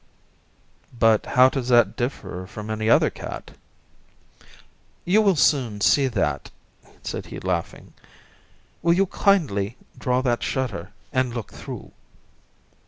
"But how does that differ from any other cat?" "You will soon see that," said he, laughing. "Will you kindly draw that shutter and look through?"